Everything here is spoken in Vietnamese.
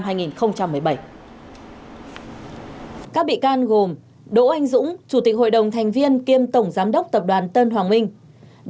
các bị can gồm đỗ anh dũng chủ tịch hội đồng thành viên kiêm tổng giám đốc tập đoàn tân hoàng minh